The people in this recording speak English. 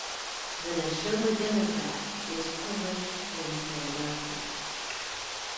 "The Neshoba Democrat" is published in Philadelphia.